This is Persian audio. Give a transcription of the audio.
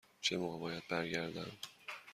چه موقع باید برگردم؟